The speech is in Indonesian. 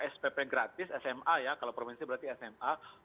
spp gratis sma ya kalau provinsi berarti sma